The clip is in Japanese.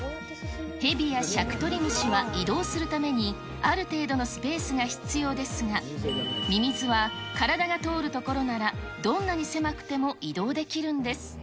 ヘビやシャクトリムシは移動するためにある程度のスペースが必要ですが、ミミズは体が通る所ならどんなに狭くても移動できるんです。